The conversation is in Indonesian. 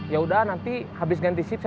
ya udah nanti habis ganti sip saya kesana